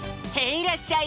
いらっしゃい！